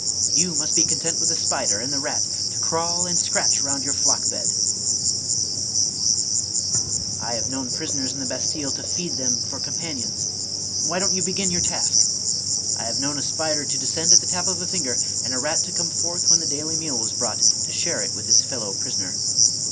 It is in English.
You must be content with the spider and the rat, to crawl and scratch round your flock bed ! I have known prisoners in the Bastille to feed them for com panions, — ^why don't you begin your task ? I have known a spider to descend at the tap of a finger, and a rat to come forth when the daily meal was brought, to share it with his fellow prisoner!